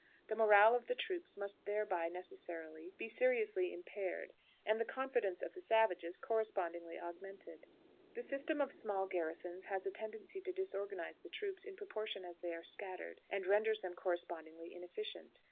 The morale of the troops must thereby necessarily be seriously impaired, and the confidence of the savages correspondingly augmented. The system of small garrisons has a tendency to disorganize the troops in proportion as they are scattered, and renders them correspondingly inefficient.